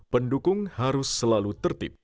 pendukung harus selalu tertib